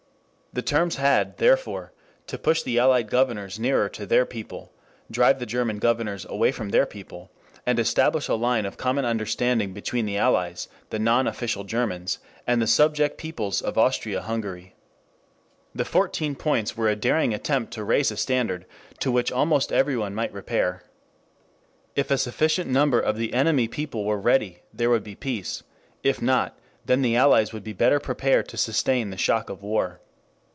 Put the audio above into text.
The terms had, therefore, to push the Allied governors nearer to their people, drive the German governors away from their people, and establish a line of common understanding between the Allies, the non official Germans, and the subject peoples of Austria Hungary. The Fourteen Points were a daring attempt to raise a standard to which almost everyone might repair. If a sufficient number of the enemy people were ready there would be peace; if not, then the Allies would be better prepared to sustain the shock of war.